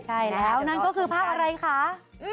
ใช่แล้วนั่นก็คือภาคอะไรคะ